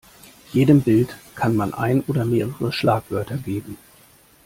Jedem Bild kann man ein oder mehrere Schlagwörter geben.